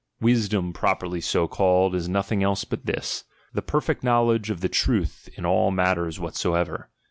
Wisdom, properly so called, is nothing else but this : the perfect knowledge of the truth in all matters whatsoever.